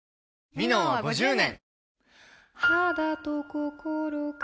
「ミノン」は５０年！